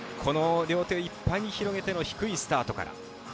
両手をいっぱいに広げての低いスタートから。